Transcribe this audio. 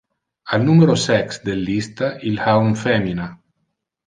Al numero sex del lista il ha un femina.